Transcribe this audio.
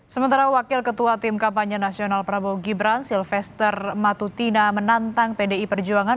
sementara wakil ketua tim kampanye nasional prabowo gibran silvester matutina menantang pdi perjuangan